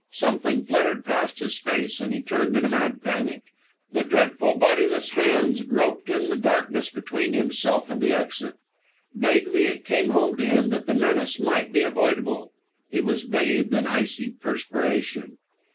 Something fluttered past his face, and he turned in a mad panic. The dreadful, bodiless hands groped in the darkness between himself and the exit! Vaguely it came home to him that the menace might be avoidable. He was bathed in icy perspiration.